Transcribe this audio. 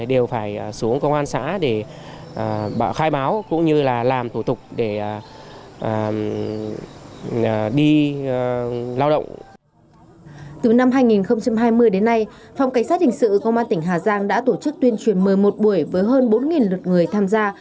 từ năm hai nghìn hai mươi đến nay phòng cảnh sát hình sự công an tỉnh hà giang đã tổ chức tuyên truyền một mươi một buổi với hơn bốn lượt người tham gia